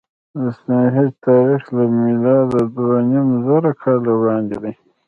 د ستونهنج تاریخ له میلاده دوهنیمزره کاله وړاندې دی.